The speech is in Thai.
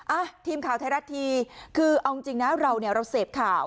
อ่ะทีมข่าวไทยรัฐทีวีคือเอาจริงนะเราเนี่ยเราเสพข่าว